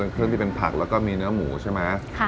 เครื่องที่เป็นผักแล้วก็มีเนื้อหมูใช่ไหม